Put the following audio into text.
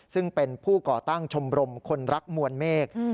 ซึ่งเป็นผู้ก่อตั้งชมรมคนรักมวลเมฆ